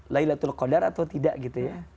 laylatul qadar atau tidak gitu ya